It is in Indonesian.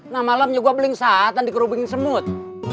nah malamnya gua beling satan dikerubingin semut